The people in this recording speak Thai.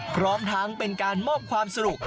พร้อมทั้งเป็นการมอบความสนุก